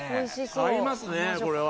合いますね、これは。